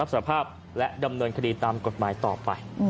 สภาพและดำเนินคดีตามกฎหมายต่อไป